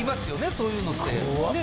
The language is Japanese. そういうのって。